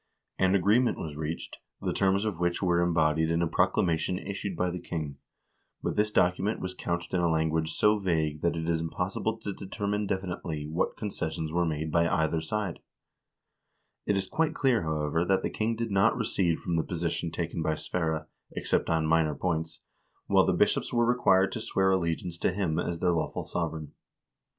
An agreement was reached, the terms of which were embodied in a proclamation issued by the king, but this document was couched in a language so vague that it is impossible to determine definitely what concessions were made by either side. It is quite clear, however, that the king did not recede from the position taken by Sverre, except on minor points, while the bishops were required to swear allegiance to him as their 408 HISTORY OF THE NORWEGIAN PEOPLE lawful sovereign.